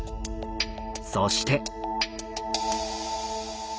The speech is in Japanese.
そして。